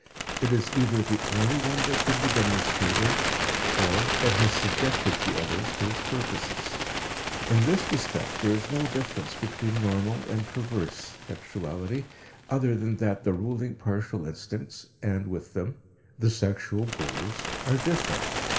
It is either the only one that can be demonstrated or it has subjected the others to its purposes. In this respect there is no difference between normal and perverse sexuality other than that the ruling partial instincts, and with them the sexual goals, are different.